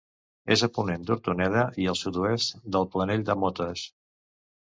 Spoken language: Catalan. És a ponent d'Hortoneda i al sud-oest del Planell de Motes.